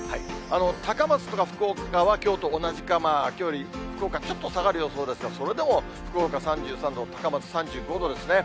高松とか福岡は、きょうと同じか、きょうより福岡、ちょっと下がる予想ですが、それでも福岡３３度、高松３５度ですね。